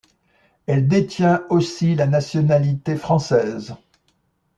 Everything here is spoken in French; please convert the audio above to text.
Elle détient aussi la nationalité française.